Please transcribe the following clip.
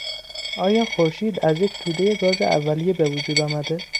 آیا خورشید از یک تودهی گاز اولیه به وجود آمده؟